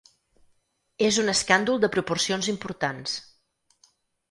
És un escàndol de proporcions importants.